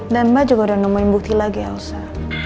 dan mbak juga udah nemuin bukti lagi elsa